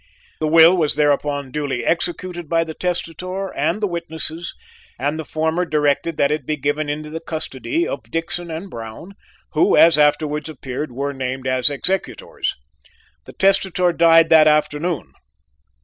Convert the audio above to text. The will was thereupon duly executed by the testator and the witnesses, and the former directed that it be given into the custody of Dickson & Brown, who, as afterwards appeared, were named as executors. The testator died that afternoon.